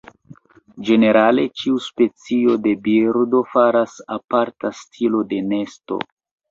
Ĝenerale, ĉiu specio de birdo faras aparta stilo de nesto.